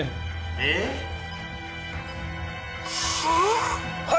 ええっ？はあ！？